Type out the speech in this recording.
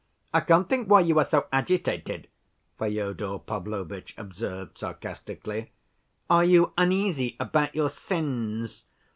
"I can't think why you are so agitated," Fyodor Pavlovitch observed sarcastically. "Are you uneasy about your sins?